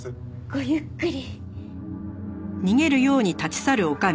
ごゆっくり。